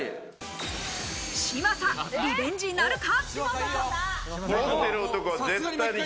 嶋佐、リベンジなるか？